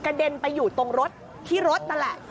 เด็นไปอยู่ตรงรถที่รถนั่นแหละ